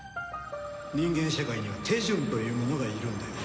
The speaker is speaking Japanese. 人間社会には手順というものがいるんだよ。